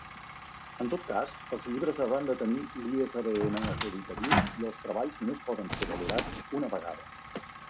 En tot cas els llibres hauran de tenir l'ISBN acreditatiu, i els treballs només poden ser valorats una vegada.